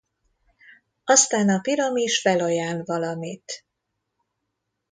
Aztán a piramis felajánl valamit.